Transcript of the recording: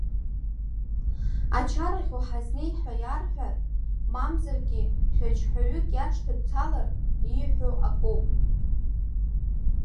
Ачарахь уҳазнеи хәа иарҳәар, мамзаргьы шәаџьҳәаҩык иашҭа дҭалар, ииҳәо акоуп.